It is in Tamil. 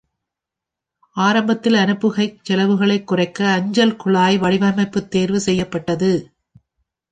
ஆரம்பத்தில், அனுப்புகைச் செலவுகளைக் குறைக்க அஞ்சல் குழாய் வடிவமைப்பு தேர்வு செய்யப்பட்டது.